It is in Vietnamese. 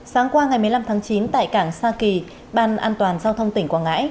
sáng qua ngày một mươi năm tháng chín tại cảng sa kỳ ban an toàn giao thông tỉnh quảng ngãi